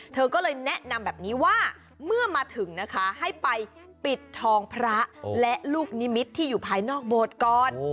เธอก็เลยแนะนำแบบนี้ว่าเมื่อมาถึงนะคะให้ไปปิดทองพระและลูกนิมิตรที่อยู่ภายนอกโบสถ์ก่อน